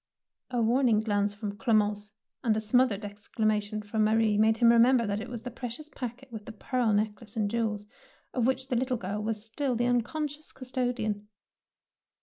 " A warning glance from Clemence and a smothered exclamation from Ma rie made him remember that it was the precious packet with the pearl necklace and jewels, of which the little girl was still the unconscious custodian.